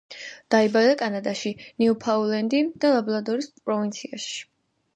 დაიბადა კანადაში, ნიუფაუნდლენდი და ლაბრადორის პროვინციაში.